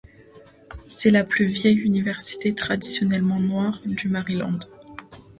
C'est la plus vieille université traditionnellement noire du Maryland.